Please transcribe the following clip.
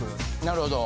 なるほど。